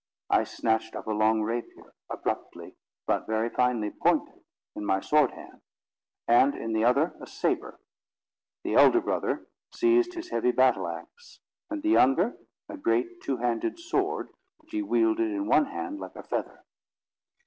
I snatched up a long rapier, abruptly, but very finely pointed, in my sword hand, and in the other a sabre; the elder brother seized his heavy battle axe; and the younger, a great, two handed sword, which he wielded in one hand like a feather.